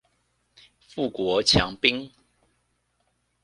富國強兵